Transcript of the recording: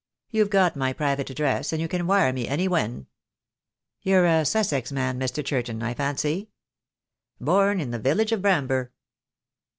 You've got my private address, and you can wire me any when." "You're a Sussex man, Mr. Churton, I fancy?" "Born in the village of Bramber."